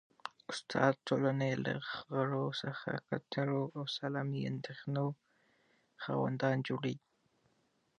استاد د ټولني له غړو څخه د ګټورو او سالمې اندېښنې خاوندان جوړوي.